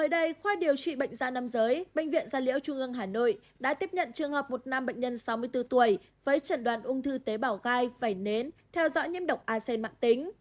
các bạn hãy đăng ký kênh để ủng hộ kênh của chúng mình nhé